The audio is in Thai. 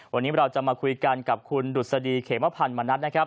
วันนี้เราจะมาคุยกันกับคุณฑุรษดีเขมพันมณัฐ